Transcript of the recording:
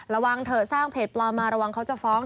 ระวังเถอะสร้างเพจปลอมมาระวังเขาจะฟ้อง